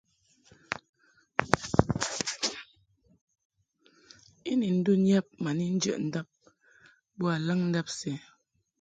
I ni ndun yab ma jəʼ ndab boa laŋndab sɛ.